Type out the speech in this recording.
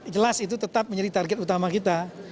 jelas itu tetap menjadi target utama kita